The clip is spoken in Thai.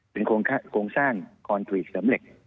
เป็นโครงสร้างคอนตรีชที่เสริมเหล็ก